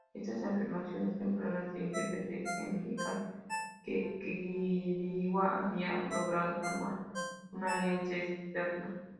Estas afirmaciones tempranas de independencia indican que Quiriguá había logrado formar una alianza externa.